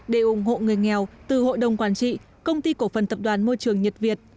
để ủng hộ người nghèo từ hội đồng quản trị công ty cổ phần tập đoàn môi trường nhật việt